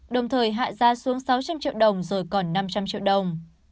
đồng thời hạ ra xuống sáu trăm linh triệu đồng rồi còn năm trăm linh triệu đồng